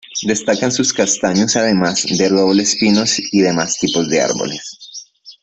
Destacan sus castaños, además de robles pinos y demás tipos De árboles.